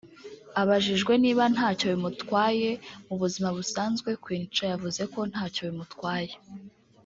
Abajijwe niba ntacyo bimutwaye mu buzima busanzwe Queen Cha yavuze ko ntacyo bimutwaye